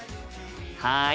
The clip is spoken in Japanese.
はい。